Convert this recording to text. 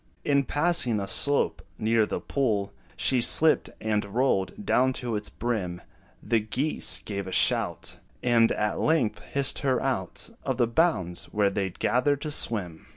In passing a slope near the pool, She slipped and rolled down to its brim; The geese gave a shout, And at length hissed her out Of the bounds, where they 'd gathered to swim.